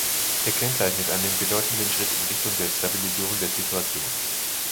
Er kennzeichnet einen bedeutenden Schritt in Richtung der Stabilisierung der Situation.